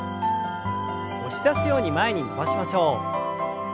押し出すように前に伸ばしましょう。